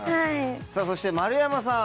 さぁそして丸山さん。